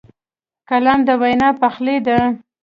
قلم د وینا پخلی دی